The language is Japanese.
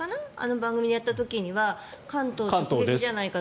番組でやった時は関東に直撃じゃないかと。